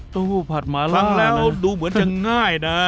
ตู้ผัดหมาล้างแล้วดูเหมือนจะง่ายนะ